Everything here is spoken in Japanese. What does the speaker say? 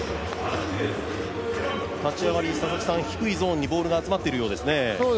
立ち上がり、低いゾーンにボールが集まってるようですね。